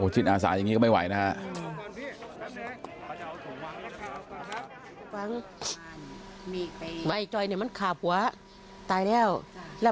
จิตอาสาอย่างนี้ก็ไม่ไหวนะฮะ